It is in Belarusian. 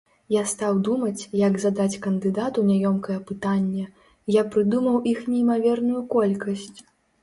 Я стаў думаць, як задаць кандыдату няёмкае пытанне, я прыдумаў іх неймаверную колькасць!